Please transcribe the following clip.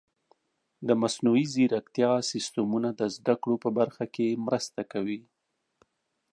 د مصنوعي ځیرکتیا سیستمونه د زده کړو په برخه کې مرسته کوي.